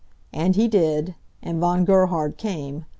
And he did. And Von Gerhard came.